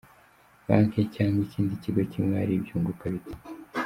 Banki cyangwa ikindi kigo cy’imari byunguka bite?.